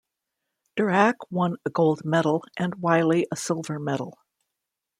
Durack won a gold medal and Wylie a silver medal.